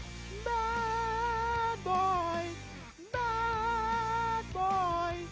บ๊าบบ่อยบ๊าบบ่อย